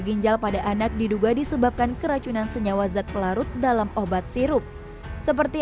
ginjal pada anak diduga disebabkan keracunan senyawa zat pelarut dalam obat sirup seperti